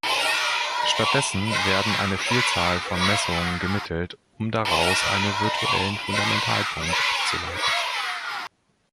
Stattdessen werden eine Vielzahl von Messungen gemittelt, um daraus einen virtuellen Fundamentalpunkt abzuleiten.